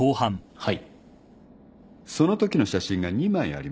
はい。